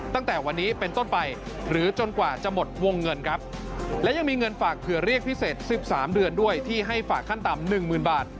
ตั้งแต่วันนี้เป็นต้นไปหรือจนกว่าจะหมดวงเงินครับและยังมีเงินฝากเผื่อเรียกพิเศษ๑๓เดือนด้วยที่ให้ฝากขั้นต่ำหนึ่งหมื่นบาท